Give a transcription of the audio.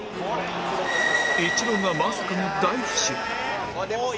イチローがまさかの大不振